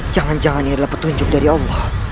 jangan jangan ini adalah petunjuk dari allah